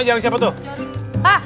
jaring siapa tuh